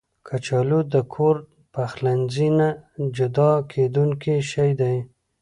کچالو د کور پخلنځي نه جدا کېدونکی شی دی